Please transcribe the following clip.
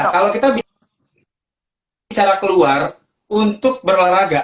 kalau kita bicara keluar untuk berolahraga